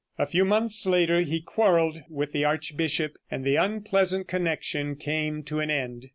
A few months later he quarreled with the archbishop, and the unpleasant connection came to an end.